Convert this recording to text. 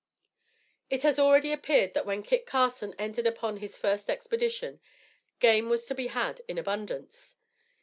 It has already appeared that when Kit Carson entered upon his first expedition, game was to be had in abundance.